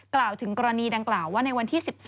กล่าวถึงกรณีดังกล่าวว่าในวันที่๑๒